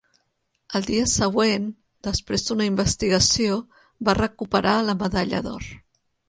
Al dia següent, després d'una investigació, va recuperar la medalla d'or.